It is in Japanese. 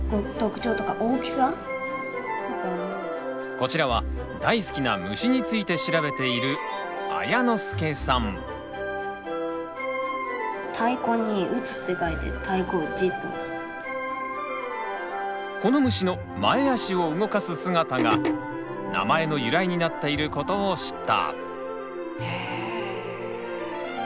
こちらは大好きな虫について調べているこの虫の前足を動かす姿が名前の由来になっていることを知った。